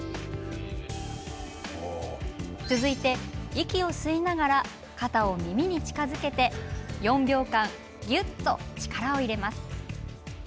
続いて、息を吸いながら肩を耳に近づけて４秒間ぎゅっと力を入れます。